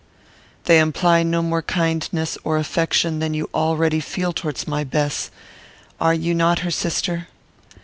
"They imply no more kindness or affection than you already feel towards my Bess. Are you not her sister?"